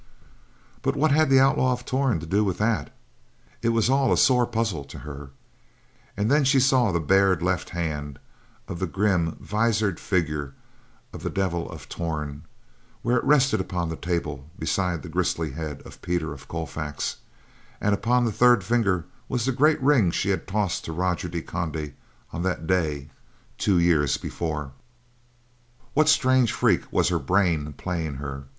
But what had the Outlaw of Torn to do with that! It was all a sore puzzle to her, and then she saw the bared left hand of the grim, visored figure of the Devil of Torn, where it rested upon the table beside the grisly head of Peter of Colfax; and upon the third finger was the great ring she had tossed to Roger de Conde on that day, two years before. What strange freak was her brain playing her!